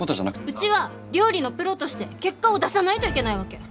うちは料理のプロとして結果を出さないといけないわけ。